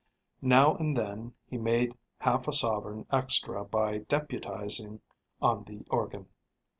Now and then he made half a sovereign extra by deputizing on the organ.